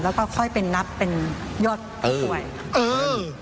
แล้วก็ค่อยเป็นนับเป็นยอดป่วย